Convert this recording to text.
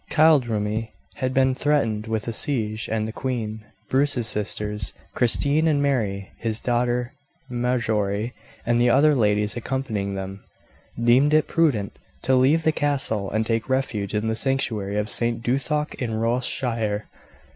Kildrummy had been threatened with a siege, and the queen, Bruce's sisters Christine and Mary, his daughter Marjory, and the other ladies accompanying them, deemed it prudent to leave the castle and take refuge in the sanctuary of St. Duthoc, in Ross shire.